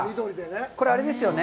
これ、あれですよね。